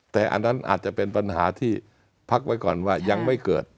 แต่อันนั้นอาจจะเป็นปัญหาที่พักไว้ก่อนว่ายังไม่เกิด